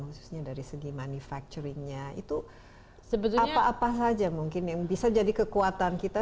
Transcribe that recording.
khususnya dari segi manufacturingnya itu apa apa saja mungkin yang bisa jadi kekuatan kita